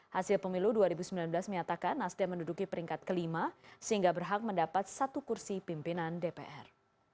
hasil pemilu dua ribu sembilan belas menyatakan nasdem menduduki peringkat kelima sehingga berhak mendapat satu kursi pimpinan dpr